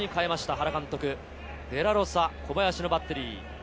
原監督、デラロサ・小林のバッテリー。